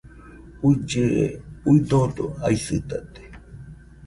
uillɨe, udodo aisɨtate